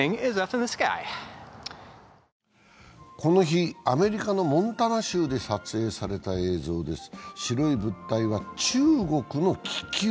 この日、アメリカのモンタナ州で撮影された映像です白い物体は中国の気球。